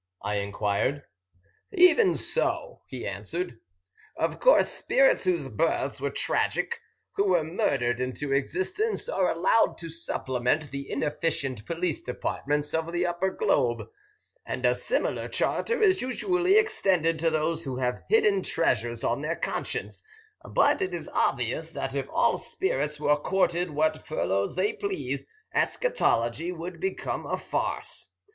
I enquired. "Even so," he answered. "Of course spirits whose births were tragic, who were murdered into existence, are allowed to supplement the inefficient police departments of the upper globe, and a similar charter is usually extended to those who have hidden treasures on their conscience; but it is obvious that if all spirits were accorded what furloughs they pleased, eschatology would become a farce.